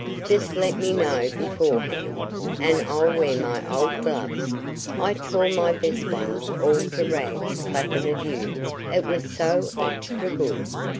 Jest let me know beforehand, and I'll wear my old gloves: I tore my best ones all to rags clappin' of you; it was so extra good."